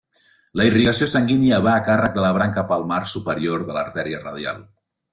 La irrigació sanguínia va a càrrec de la branca palmar superior de l'artèria radial.